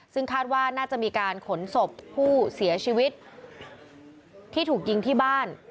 ซึ่งคาดว่าน่าจะมีการขนศพผู้เสียชีวิตที่ถูกยิงที่บ้าน